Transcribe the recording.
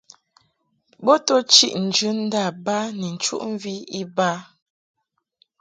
Bo to chiʼ njɨndâ ba ni nchuʼmvi iba.